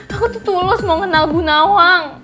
aku tuh tulus mau kenal bu nawang